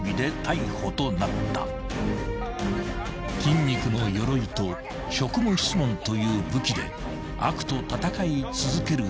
［筋肉のよろいと職務質問という武器で悪と闘い続ける山内］